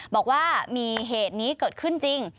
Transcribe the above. บอกว่ามีเหตุนี้เกิดขึ้นจริง